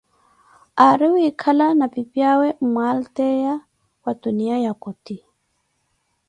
Ari wiikala na pipaawe mmwaaliteia wa tuniya ya koti.